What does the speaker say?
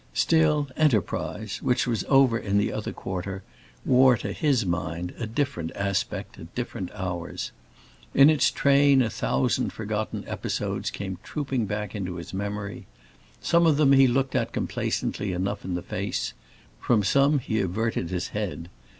Still "enterprise," which was over in the other quarter wore to his mind a different aspect at different hours. In its train a thousand forgotten episodes came trooping back into his memory. Some of them he looked complacently enough in the face; from some he averted his head.